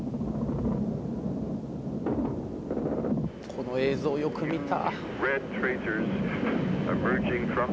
この映像よく見た。